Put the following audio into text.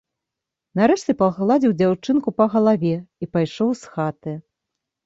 Нарэшце пагладзіў дзяўчынку па галаве і пайшоў з хаты.